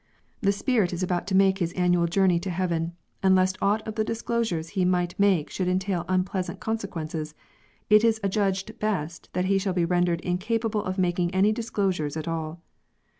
The Spirit is about to make his annual journey to heaven, and lest aught of the disclosures he might make should entail un^Dleasant consequences, it is adjudged best that he shall be rendered incapable of making any disclosures at all.